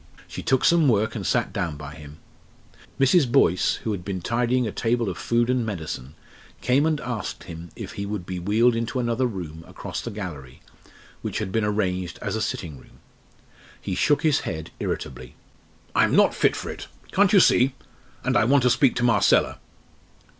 She took some work and sat down by him. Mrs. Boyce, who had been tidying a table of food and medicine, came and asked him if he would be wheeled into another room across the gallery, which had been arranged as a sitting room. He shook his head irritably. "I am not fit for it. Can't you see? And I want to speak to Marcella."